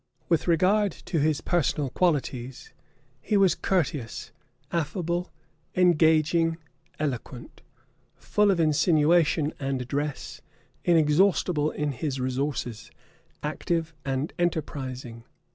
With regard to his personal qualities, he was courteous, affable, engaging eloquent; full of insinuation and address; inexhaustible in his resources; active and enterprising.